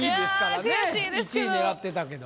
１位狙ってたけど。